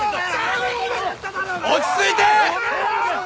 落ち着いて！